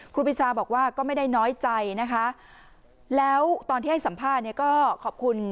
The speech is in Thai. ครูปีชาบอกว่าก็ไม่ได้น้อยใจนะคะแล้วตอนที่ให้สัมภาษณ์เนี่ยก็ขอบคุณ